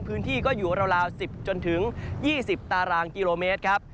พื้นที่ก็อยู่ราว๑๐จนถึง๒๐ตารางกิโลเมตรครับ